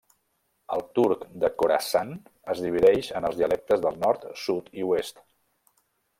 El turc de Khorasan es divideix en els dialectes del nord, sud i oest.